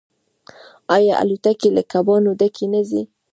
آیا الوتکې له کبانو ډکې نه ځي؟